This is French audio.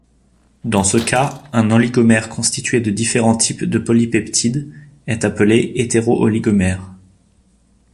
Dans ce cas, un oligomère constitué de différents types de polypeptides est appelé hétéro-oligomère.